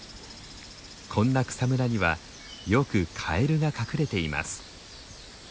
こんな草むらにはよくカエルが隠れています。